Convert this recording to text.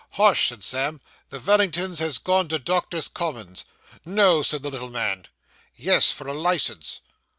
'Hush!' said Sam. 'The Vellingtons has gone to Doctors' Commons.' 'No,' said the little man. 'Yes, for a licence.